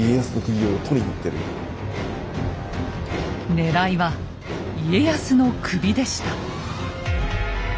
ねらいは家康の首でした。